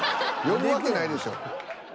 呼ぶわけないでしょ。